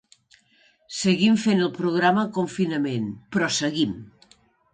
Seguim fent el programa en confinament… però seguim!